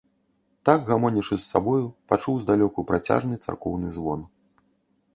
Так гамонячы з сабою, пачуў здалёку працяжны царкоўны звон.